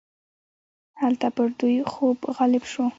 هلته پر دوی خوب غالب شو.